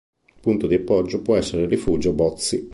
Punto di appoggio può essere il Rifugio Bozzi.